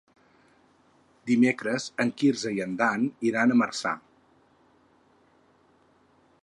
Dimecres en Quirze i en Dan iran a Marçà.